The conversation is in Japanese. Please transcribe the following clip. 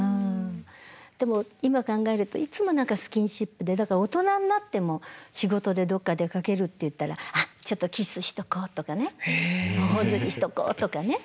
でも今考えるといつも何かスキンシップでだから大人になっても仕事でどっか出かけるっていったらあっちょっとキスしとこうとかね頬ずりしとこうとかね。